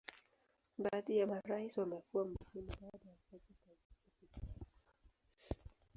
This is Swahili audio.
Baadhi ya marais wamekuwa muhimu baada ya kuacha kazi ofisi.